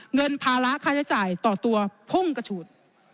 เงินภาระค่าใช้จ่ายต่อตัวพุ่งกระฉูด